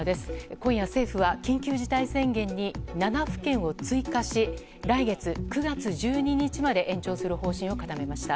今夜、政府は緊急事態宣言に７府県を追加し来月９月１２日まで延長する方針を固めました。